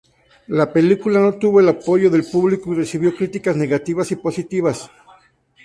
La película no tuvo el apoyo del público y recibió críticas negativas y positivas.